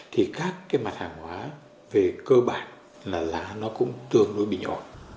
thì các mặt hàng hóa về cơ bản là lá nó cũng tương đối bị nhỏ